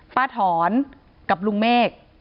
ป้าถอนกับลุงเมฆ